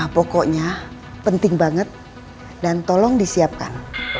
pokoknya penting banget dan tolong disiapkan